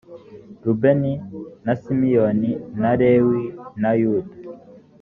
rubeni na simiyoni na lewi na yuda